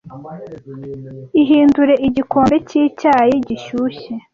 Ihindure igikombe cyicyayi gishyushye.